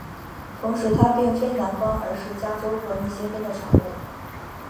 同时它并非南方而是加州和密歇根的产物。